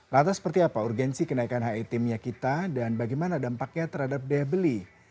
lantas seperti apa urgensi kenaikan het minyak kita dan bagaimana dampaknya terhadap daya beli